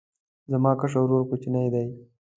زما کشر ورور کوچنی دی